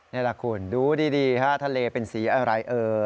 นี่แหละคุณดูดีฮะทะเลเป็นสีอะไรเออ